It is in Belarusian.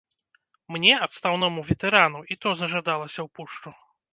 Мне, адстаўному ветэрану, і то зажадалася ў пушчу.